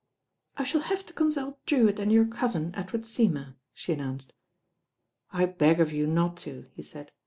"I shall have to consult Drewitt and your cousin, Edward Seymour," she announced. "I beg of you not to," he said.